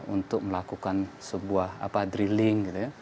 untuk melakukan sebuah drilling